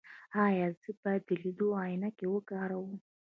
ایا زه باید د لیدلو عینکې وکاروم؟